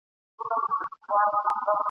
موږ ته ډک کندو له شاتو مالامال وي !.